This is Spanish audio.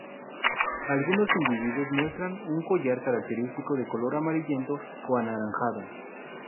Algunos individuos muestran un collar característico de color amarillento o anaranjado.